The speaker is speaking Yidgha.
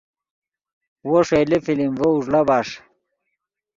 وو ݰئیلے فلم ڤؤ اوݱڑا بݰ